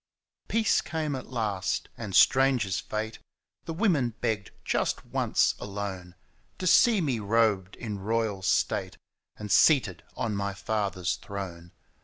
••• Peace came at last — and strange is Fate — The women begged just once alone To see me robed in royal state And seated on my father's throne.